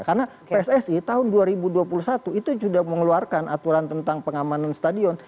karena pssi tahun dua ribu dua puluh satu itu sudah mengeluarkan aturan tentang pengamanan stadion